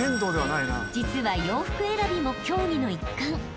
［実は洋服選びも競技の一環］